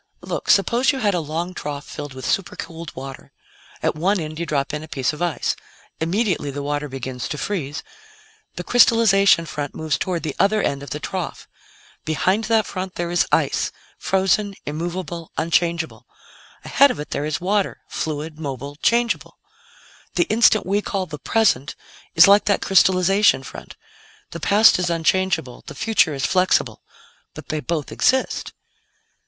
Look, suppose you had a long trough filled with supercooled water. At one end, you drop in a piece of ice. Immediately the water begins to freeze; the crystallization front moves toward the other end of the trough. Behind that front, there is ice frozen, immovable, unchangeable. Ahead of it there is water fluid, mobile, changeable. "The instant we call 'the present' is like that crystallization front. The past is unchangeable; the future is flexible. But they both exist."